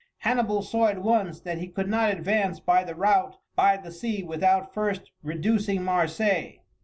Hannibal saw at once that he could not advance by the route by the sea without first reducing Marseilles.